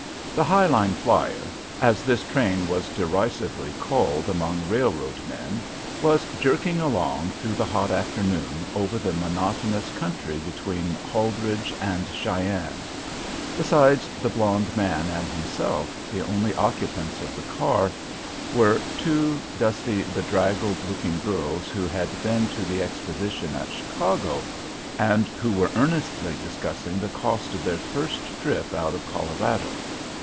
The "High Line Flyer," as this train was derisively called among railroad men, was jerking along through the hot afternoon over the monotonous country between Holdredge and Cheyenne. Besides the blond man and himself the only occupants of the car were two dusty, bedraggled looking girls who had been to the Exposition at Chicago, and who were earnestly discussing the cost of their first trip out of Colorado.